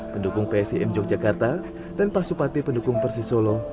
pendukung psim yogyakarta dan pak supati pendukung persisolo